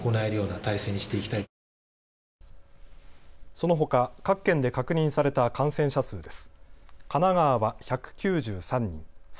そのほか各県で確認された感染者数です。